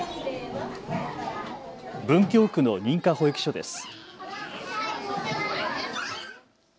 文京区の認可保育所です。